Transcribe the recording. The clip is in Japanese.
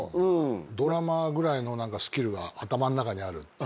ドラマーぐらいのスキルが頭ん中にあるっていうか。